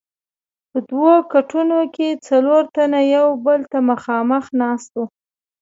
په دوو کټونو کې څلور تنه یو بل ته مخامخ ناست وو.